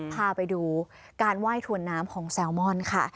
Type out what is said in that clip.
พาไปดูการไหว้ถวนน้ำของแซลมอนค่ะ